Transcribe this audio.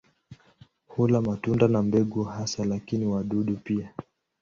Hula matunda na mbegu hasa, lakini wadudu pia.